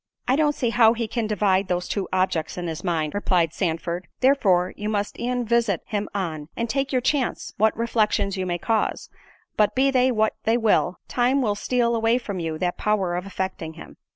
"I don't see how he can divide those two objects in his mind," replied Sandford, "therefore you must e'en visit him on, and take your chance, what reflections you may cause—but, be they what they will, time will steal away from you that power of affecting him."